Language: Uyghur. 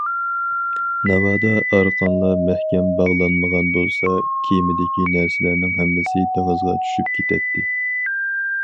ناۋادا ئارقانلار مەھكەم باغلانمىغان بولسا، كېمىدىكى نەرسىلەرنىڭ ھەممىسى دېڭىزغا چۈشۈپ كېتەتتى.